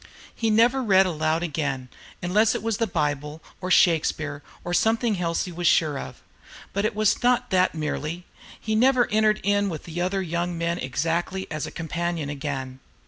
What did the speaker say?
He never read aloud again, unless it was the Bible or Shakespeare, or something else he was sure of. But it was not that merely. He never entered in with the other young men exactly as a companion again.